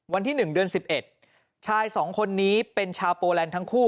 วันที่๑เดือน๑๑ชาย๒คนนี้เป็นชาวโปแลนด์ทั้งคู่